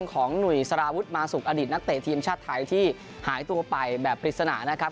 ของหนุ่ยสารวุฒิมาสุกอดีตนักเตะทีมชาติไทยที่หายตัวไปแบบปริศนานะครับ